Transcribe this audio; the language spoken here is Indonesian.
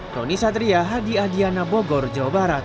roni satria hadi adiana bogor jawa barat